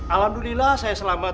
alhamdulillah saya selamat